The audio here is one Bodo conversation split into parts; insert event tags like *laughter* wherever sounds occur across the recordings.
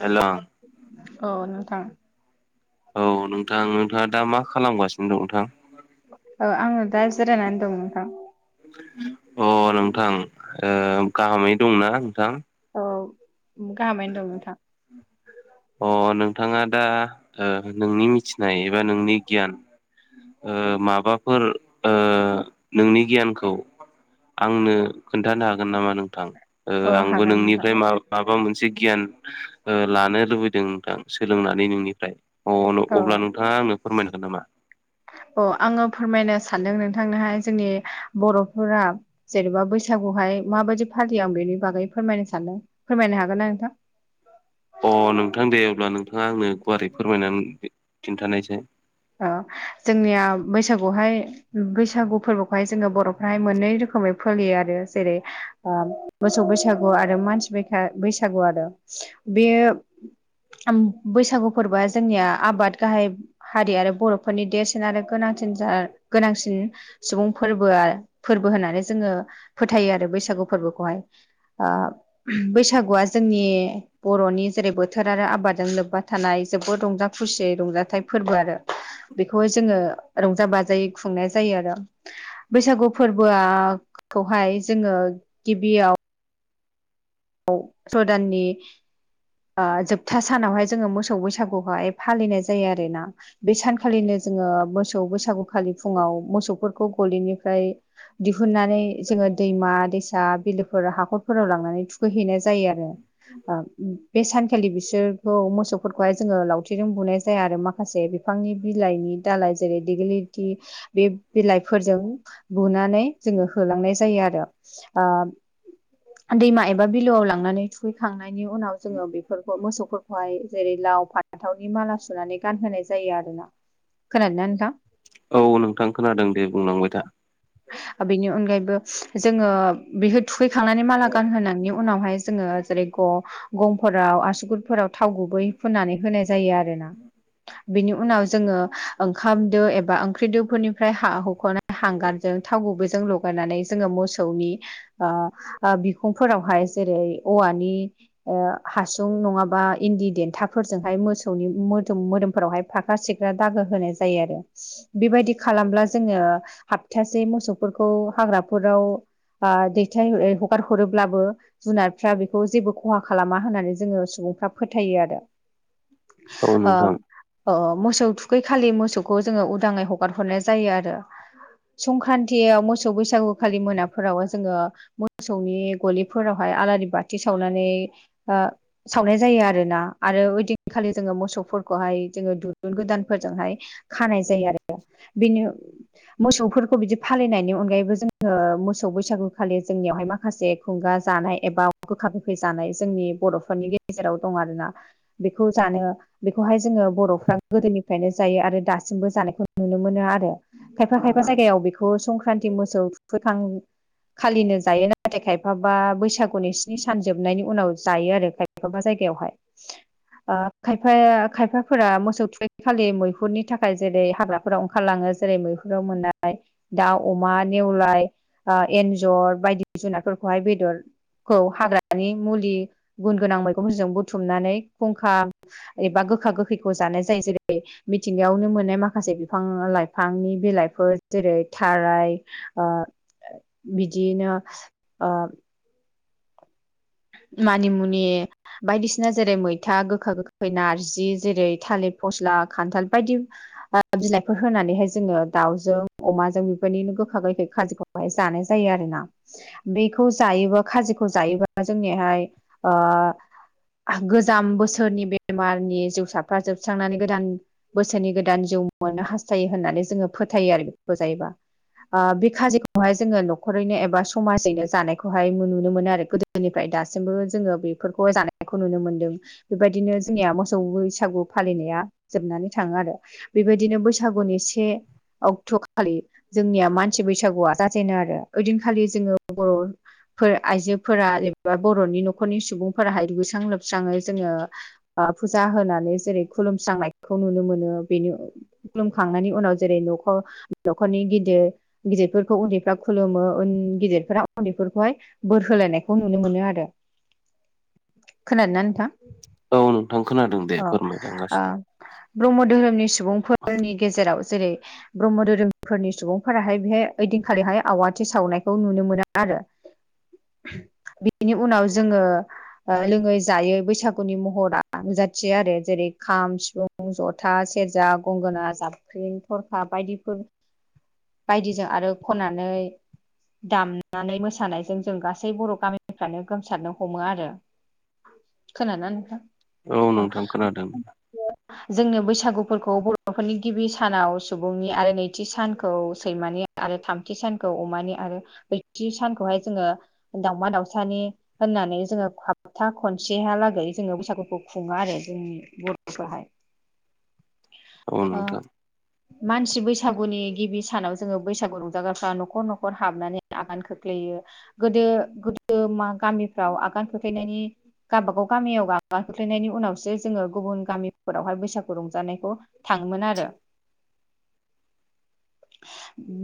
हेल'। अ नोंथां। औ नोंथां नोंथाङा दा मा खालामगासिनो दं नोंथां? ओ आं दा जिरायनानै दं नोंथां। अ नोंथां ओ गाहामै दंना नोंथां? औ गाहामैनो दं नोंथां। अ नोंथाङा दा ओ नोंनि मिथिनाय एबा नोंनि गियान ओ माबाफोर ओ नोंनि गियानखौ आंनो खोन्थानो हागोन नामा नोंथां औ ओ आंबो हागोन नोंथां नोंनिफ्राय मा माबा मोनसे गियान ओ लानो लुबैदों नोंथां। सोलोंनानै नोंनिफ्राय अ औ अब्ला नोंथाङा आंनो फोरमायनो हागोन नामा? अ आङो फोरमायनो सानदों नोंथांनोहाय जोंनि बर'फोरा जेनेबा बैसागुहाय माबायदि फालियो आं बेनि बागै फोरमायनो सानदों फोरमायनो हागोन ना नोंथां? अ नोंथां दे अब्ला नोंथाङा आंनो गुवारै फोरमायनानै खिन्थानायसाय। ओ जोंनिया बैसागुआवहाय बैसागु फोरबोखौहाय जोङो बर'फ्राहाय मोननै रोखोमै फोलियो आरो जेरै मोसौ बैसागु आरो मानसि बैसा बैसागु आरो बे बैसागु फोरबोआ जोंनिया आबाद गाहाय हारि आरो बर'फोरनि देरसिन आरो गोनांसिन जा गोनांसिन सुबुं फोरबोआ फोरबो होननानै जोङो फोथायो आरो बैसागु फोरबोखौहाय। ओ बैसागुआ जोंनि बर'नि जेरै बोथोर आरो आबादजों लोब्बा थानाय जोबोद रंजा खुसियै रंजाथाइ फोरबो आरो बेखौहाय जोङो रंजा बाजायै खुंनाय जायो आरो। बैसागु फोरबोआ खौहाय जोङो गिबियाव औ स दाननि जोबथा सानावहाय जोङो मोसौ बैसागुहाय फालिनाय जायो आरोना। बे सानखालिनो जोङो मोसौ बैसागुखालि फुङाव मोसौफोरखौ गलिनिफ्राय दिहुननानै जोङो दैमा दैसा बिलोफोर हाखरफोराव लांनानै थुखैहैनाय जायो आरो। ओ उप बे सानखालि बिसोरखौ मोसौफोरखौहाय जोङो लावथिजों बुनाय जाया आरो माखासे बिफांनि बिलाइनि दालाइ जेरै दिेग्लिलिथि बे बिलाइफोरजों बुनानै जोङो होलांनाय जायो आरो। ओ दैमा एबा बिलोआव लांनानै थुखैखांनायनि उनाव जोङो बेफोरखौ मोसौफोरखौहाय जेरै लाव फान्थावनि माला सुनानै गानहोनाय जायो आरोना। खोनादों ना नोंथां? औ नोंथां खोनादों दे बुंलांबाय था। बेनि अनगायैबो जोङो बेखौ थुखैखांनानै माला गानहोनायनि उनावहाय जोङो जेरै ग गंफोराव आसुगुरफोराव थाव गुबै फुननानै होनाय जायो आरोना। बिनि उनाव जोङो ओंखाम दो एबा ओंख्रिदोफोरनिफ्राय हा हख'नाय हांगारजों थाव गुबैजों लग गानानै जोङो मोसौनि ओ ओ बिखुंफोरावहाय जेरै औवानि ओ हासुं नङाबा इन्दि देन्थाफोरजोंहाय मोसौनि मोदोम मोदोमफोरावहाय फाख्रा सिख्रा दागो होनाय जायो आरो। बेबायदि खालामब्ला जोङो हाबथासे मोसौफोरखौ हाग्राफोराव ओ दैथाय हगार हरोब्लाबो जुनारफ्रा बेखौ जेबो ख खहा खालामा होननानै जोङो सुबुंफ्रा फोथायो आरो औ ओ नोंथां अ मोसौ थुखै खालि मोसौखौ जोङो उदाङै हगार हरनाय जायो आरो। संक्रान्तियाव मोसौ बैसागुखालि मोनाफोराव जोङो मोसौनि गलिफोरावहाय आलारि बाथि सावनानै ओ सावनाय जायो आरोना आरो ओइदिनखालि जोंङो मोसौफोरखौहाय जोंङो दुरुं गोदानफोरजोंहाय खानाय जायो आरो बेनि मोसौफोरखौ बिदि फालिनायनि अनगायैबो जोंङो मोसौ बैसागुखालि जोंनियावहाय माखासे खुंगा जानाय एबा गोखा गोखै जानाय जोंनि बर'फोरनि गेजेराव दं आरोना बेखौ जानो बेखौहाय जोंङो बर'फ्रा गोदोनिफ्रायनो जायो आरो दासिमबो जानायखौ नुनो मोनो आरो खायफा खायफा जायगायाव बेखौ संक्रान्ति मोसौ फोथां खालिनो जायो नाथाय खायफाबा बैसागुनि स्नि सान जोबनायनि उनाव जायो आरो खायफाबा जायगायावहाय ओ खायफाया खायफाफोरा मोसौ थुखैखालि मैहुरनि थाखाय जेरै हाग्रा फोराव ओंखारलाङो जेरै मैहुराव मोननाय दाउ अमा नेवलाय ओ एन्जर बायदि जुनारफोरखौहाय बेदरखौ हाग्रा दानि मुलि गुन गोनां मैगंफोरजों बुथुमनानै खुंखा एबा गोखा गोखैखौ जानाय जायो जेरै मिथिंगायावनो मोननाय माखासे बिफां लाइफांनि बिलाइफोर जेरै थाराय ओ बिदियैनो ओ मानिमुनि बायदिसिना जेरै मैथा गोखा गोखै नारजि जेरै थालिर फस्ला खान्थाल बायदि बिलाइफोर होनानैहाय जोंङो दाउजों अमाजों बेफोरनिनो गोखा गोैखै खाजिखौ जानाय जायो आरोना बेखौ जायोबा खाजिखौ जायोबा जोंनियाहाय ओ गोजाम बोसोरनि बेमारनि जिउसाफ्रा जोबस्रांनानै गोदान बोसोरनि गोदान जिउ मोननो हास्थायो होननानै जोंङो फोथायो आरो बेखौ जायोबा ओ बे खाजिखौहाय जोंङो न'खरैनो एबा समाजैनो जानायखौहाय नुनो मोनो आरो गोदो दोनिफ्राय दासिमबो जोंङो बेफोरखौ जानायखौ नुनो मोनदों बेबायदिनो जोंनिया मोसौ बैसागु फालिनाया जोबनानै थांङो आरो बेबायदिनो बैसागुनि से अक्टखालि जोंनिया मानसि बैसागुआ जाजेनो आरो ओइदिनखालि जोंङो बर' फोर आइजोफोरा एबा बर'नि न'खरनि सुबुंफोराहाय दुगैस्रां लोबस्राङै जोंङो। ओ फुजा होनानै जेरै खुलुमस्रांनायखौ नुनो मोनो बेनि खुलुमखांनायनि उनाव जेरै न'खर न'खरनि गिदिर गिदिरफोरखौ उन्दैफ्रा खुलुमो उन गिदिरफोरा उन्दैफोरखौहाय बोर होलायनाय खौ नुनो मोनो आरो, खोनादोंना नोंथां? औ नों थां खोनादों दे अ ओ फोरमायलांगासिनो ब्रह्म धोरोमनि सुबुंफोरनि गेजेराव जेरै - ब्रह्म धोरोमफोरनि सुबुंफोराहाय बेहाय ओइदिनखालिहाय आवाथि सावनायखौ नुनो मोनो आरो *unintelligible* बिनि उनाव जोंङो ओ लोङै जायै बैसागुनि महरा नु जाथियो आरो जेरै खाम, सिफुं, जथा, सेरजा, गंगोना जाब स्रिं थरखा बायदिफोर बायदिजों आरो खननानै दामनानै मोसानायजों जों गासै बर गामिफ्रानो गोमसारनो हमो आरो। खोनादोंना नोंथां? औ अ नोंथां खोनादों जोंनो बैसागुफोरखौ बर'फोरनि गिबि सानाव सुबुंनि आरो नैथि सानखौ सैमानि आरो थामथि सानखौ अमानि आरो बैथि सानखौहाय जोंङो दावमा दावसानि होननानै जोंङो साबथा खनसेहालागै जोंङो बैसागुखौ खुंङो आरो जोंनि बरफ्राहाय। औ ओ नोंथां मानसि बैसागुनि गिबि सानाव जोंङो बैसागु रंजाग्राफ्रा नखर नखर हाबनानै आगान खोख्लैयो। गोदो गोदो मा गामिफ्राव आगान खोख्लैनायनि गावबागाव गामियाव आगान खोख्लैनायनि उनावसो जोङो गुबुन गामिफोरावहाय बैसागु रंजानायखौ थाङोमोन आरो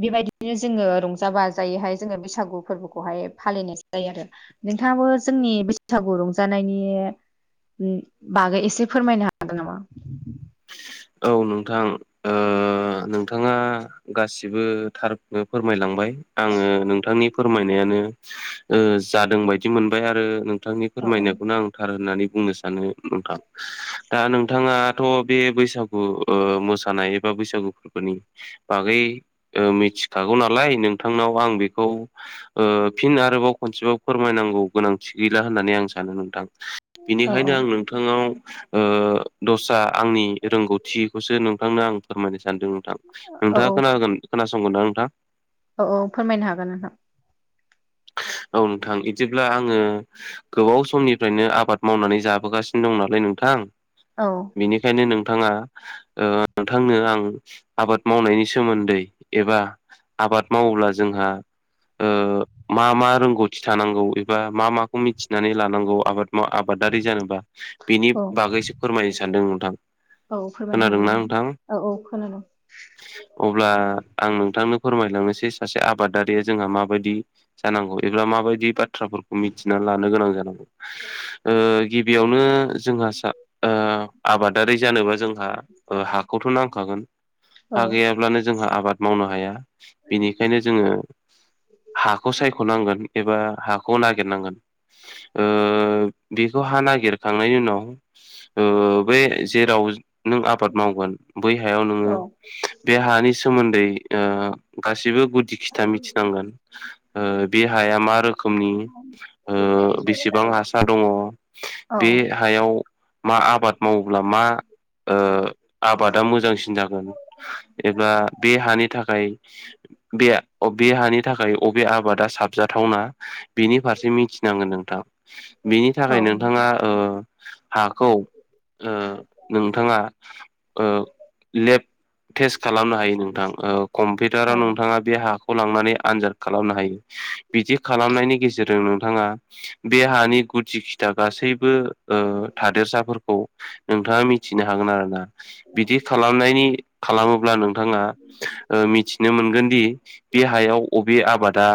बेबायदिनो जोङो रंजा बाजायैहाय जोङो बैसागु फोरबोखौहाय फालिनाय जायो आरो नोंथाङाबो जोंनि बैसागु रंजानायनि बागै एसे फोरमायनो हागोन नामा? औ नोंथां ओ ओ नोंथाङा गासिबो थार खौनो फोरमायलांबाय। आङो नोंथांनि फोरमायनायानो ओ जादों बायदि मोनबाय आरो नोंथांनि औ औ फोरमायनायखौनो आं थार होननानै बुंनो सानो नोंथां दा नोंथाङा। थ' बे बैसागु मोसानाय एबा बैसागु फोरबोनि, बागै ओ मिथिखागौ नालाय नोंथांनाव आं बेखौ ओ फिन आरोबाव खनसेबाव फोरमायनांगौ गोनांथि गैला होननानै आं सानो नोंथां। औ बिनिखायनो आं नोंथांनाव ओ दस्रा आंनि रोंगौ थियिखौसो नोंथांनो आं फोरमायनो सानदों नोंथां औ नोंथाङा खोनगोन खोनासंगोन ना नोंथां? औ औ फोरमायनो हागोन नोंथां। औ नोंथां बिदिब्ला आङो। गोबाव समनिफ्रायनो आबाद मावनानै जाबोगासिनो दं नालाय नोंथां। औ बिनिखायनो नोंथाङा ओ नोंथांनो आं आबाद मावनायनि सोमोन्दै एबा आबाद मावोब्ला जोंहा ओ मा मा रोंगौथि थानांगौ एबा मा माखौ मिथिनानै लानांगौ आबाद माव आबादारि जानोबा? बेनि औ बागैसो फोरमायनो सानदों नोंथां। औ फोरमायनो खोनादोंना हागोन नोंथां औ औ खोनादों। अब्ला आं नोंथांनो फोरमायलांनोसै सासे आबादारिया जोंहा माबायदि, जानांगौ एब्ला माबायदि बाथ्राफोरखौ मिथिनानै लानो गोनां जानांगौ। ओ गिबियावनो जों आसा ओ आबादारि जानोबा जों, हा हाखौथ' नांखागोन औ हा गैयाब्लानो जोंहा आबाद मावनो हाया। बेनिखायनो जोङो। हाखौ सायखनांगोन एबा हाखौ नागिरनांगोन। ओ बेखौ हा नागिरखांनायनि उनाव ओ बे जेराव नों आबाद मावगोन बै हायाव औ नोङो। बे हानि सोमोन्दै ओ गासिबो गुदि खिथा मिथिनांगोन। ओ बे हाया मा रोखोमनि ओ बेसेबां हासार दङ बे हायाव मा आबाद मावोब्ला मा ओ आबादा मोजांसिन जागोन। एबा बे हानि थाखाय बे हानि, थाखाय अबे आबादा साबजाथावना बेनि फारसे मिथिनांगोन नोंथां। बिनि औ थाखाय नोंथाङा। ओ हाखौ ओ नोंथाङा। ओ लेब टेस्ट खालामनो हायो नोंथां औ औ कम्पिउटाराव नोंथाङा बे हाखौ लांनानै आनजाद खालामनो हायो। बिदि खालामनायनि गेजेरजों नोंथाङा बे हानि गुदि खिथा गासैबो ओ थादेरसाफोरखौ, नोंथाङा मिथिनो हागोन आरोना बिदि खालामनायनि खालामोब्ला नोंथाङा, मिथिनो मोनगोन दि बेहाय अबे आबादा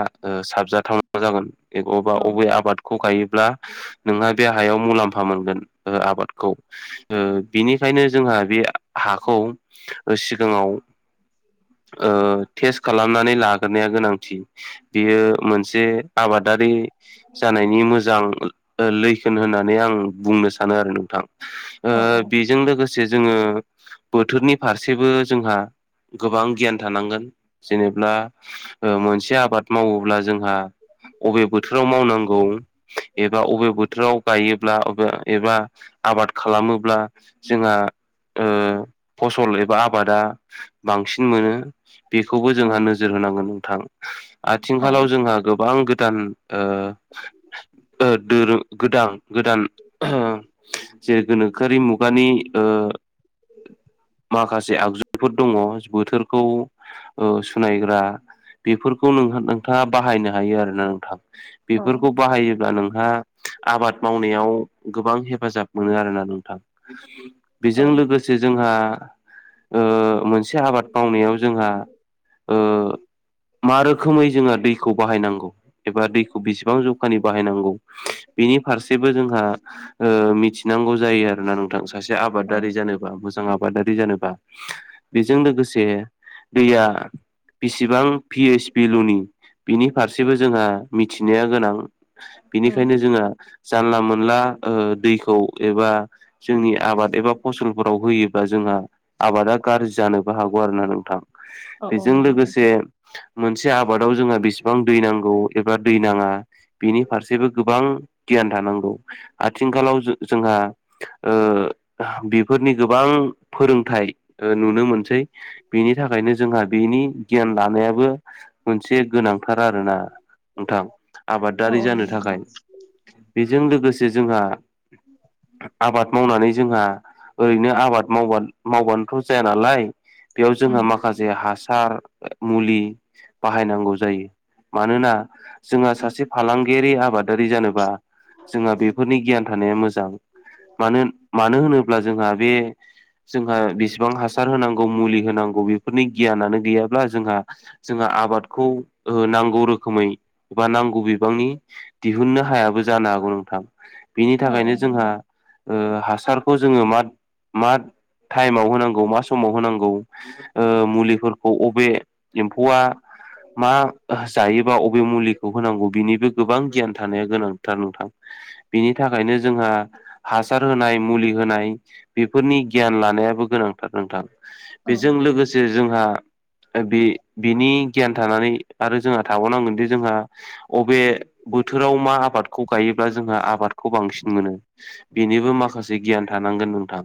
साबजाथाव जागोन बेखौबा औ अबे आबाद, खौ गायोब्ला नोंहा बे हायाव मुलाम्फा मोनगोन आबादखौ, बिनिखायनो जोंहा बे हाखौ सिगाङाव टेस्ट खालामनानै लाग्रोनायाया गोनांथि बियो मोनसे आबादारि जानायनि मोजां लैखोन होननानै आं बुंनो सानो आरो नोंथां बे औ बे जों लोगोसे जोङो बोथोरनि फारसेबो जोंहा गोबां गियान थानांगोन जेनेब्ला मोनसे आबाद मावोब्ला जोंहा अबे बोथोराव मावनांगौ एबा अबे बोथोराव गायोब्ला एबा आबाद खालामोब्ला जोंहा फसल एबा आबादा बांसिन मोनो बेखौबो औ जोंहा नोजोर होनांगोन नोंथां आथिंखालाव जोंहा गोबां गोदान गोदान गोदान जे गोनोखोआरि मुगानि माखासे आगजुफोर दङ बोथोर खौ सुनायग्रा बेफोरखौ नोंहा नोंथाङा बाहायनो हायो आरोना नोंथां बेफोरखौ बाहायोब्ला नोंहा आबाद मावनायाव गोबां हेफाजाब मोनो आरोना नोंथां बेजों लोगोसे जोंहा मोनसे आबाद मावनायाव जोंहा ओ मा रोखोमै जोङो दैखौ बाहायनांगौ एबा दैखौ बेसेबां जौखानि बाहायनांगौ बेनि फारसेबो जोंहा मिथिनांगौ जायो आरो ना नों सासे आबादारि जानोबा मोजां आबादारि जानोबा बेजों लोगोसे दैया बेसिबां पिओइस बिल'नि बिनि फारसेबो जोंहा मिथिनाया गोनां बिनिखायनो जोंहा जानला मोनला दैखौ एबा जोंनि आबाद एबा फसलफोराव होयोबा जोंहा आबादा गाज्रि जानोबो हागौ आरोना नोंथां औ बेजों लोगोसे मोनसे आबादाव जोंहा बेसेबां दै नांगौ एबा दै नाङा बिनि फारसेबो गोबां गियान थानांगौ आथिंखालाव जोंहा बेफोरनि गोबां फोरोंथाइ नुनो मोनसै बेनि थाखायनो जोंहा बेनि गियान लानायाबो मोनसे गोनांथार आरोना नोंथां आबादारि औ जानो नंगौ थाखाय नोंथां। बेजों लोगोसे जोंहा आबाद मावनानै जोंहा ओरैनो आबाद मावनाय मावबानोथ' जाया नालाय बेयाव औ जोंहा माखासे हासार मुलि बाहायनांगौ जायो मानोना जोंहा सासे फालांगियारि आबादारि जानोबा जोंहा बेफोरनि गियान थानाया मोजां मानो मानो होनोब्ला जोंहा बे जोंहा बेसेबां हासार होनांगौ मुलि होनांगौ बेफोरनि गियानानो गैयाब्ला जोंहा जोंहा आबादखौ नांगौ रोखोमै एबा नांगौ गोबांनि दिहुननो हायाबो जानो हागौ नोंथां बेनि औ थाखायनो नंगौ जोंहा नोंथां ओ हासारखौ जोङो माट माट टाइमाव होनांगौ मा समाव होनांगौ ओ मुलिफोरखौ अबे गवा मा जायोबा अबे मुलिखौ होनांगौ बिनिबो गोबां गियान थानाया गोनांथार नोंथां बिनि थाखायनो जोंहा हासार होनाय मुलि होनाय बेफोरनि गियान लानायाबो गोनांथार नोंथां औ बेजों नोंथां लोगोसे जोंहा बे बिनि गियान थानानै आरो जोंहा थाबावनांगोनदि जोंहा अबे बोथोराव मा आबादखौ गायोब्ला जोंहा आबादखौ बांसिन मोनो बेनिबो माखासे गियान थानांगोन नोंथां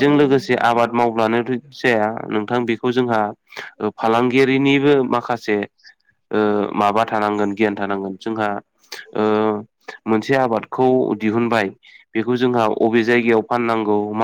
औ औ लोगोसे आबाद मावब्लानो जाया नोंथां बेखौ जोंहा फालांगि गिनिबो माखासे ओ माबा थानांगोन गियान थानांगोन जोंहा ओ मोनसे आबादखौ दिहुनबाय। बेखौ जोंहा अबे जायगायाव फाननांगौ मा